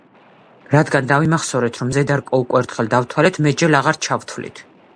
რადგან დავიმახსოვრეთ, რომ ზედა რკო უკვე ერთხელ დავთვალეთ, მეტჯერ აღარ ჩავთვლით.